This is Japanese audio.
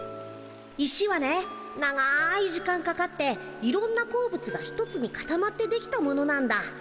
石はね長い時間かかっていろんな鉱物が一つにかたまってできたものなんだ。